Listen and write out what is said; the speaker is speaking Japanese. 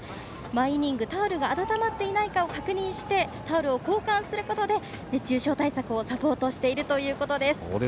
毎イニングタオルが温まっていないか確認してタオルを交換することで熱中症対策をサポートしているということです。